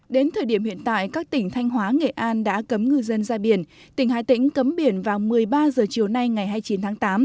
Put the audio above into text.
đến thời điểm hiện tại các tỉnh thanh hóa nghệ an đã cấm ngư dân ra biển tỉnh hà tĩnh cấm biển vào một mươi ba h chiều nay ngày hai mươi chín tháng tám